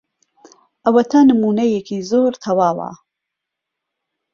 ئەوەتە نموونەیەکی زۆر تەواو.